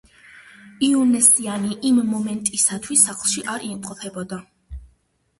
იონესიანი იმ მომენტისთვის სახლში არ იმყოფებოდა.